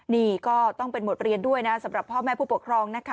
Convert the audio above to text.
นี่ก็ต้องเป็นบทเรียนด้วยนะสำหรับพ่อแม่ผู้ปกครองนะคะ